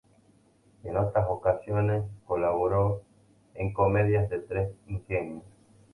En otras ocasiones colaboró en comedias de tres ingenios.